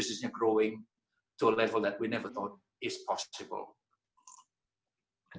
bisnisnya berkembang sampai tahap yang kita tidak pernah pikirkan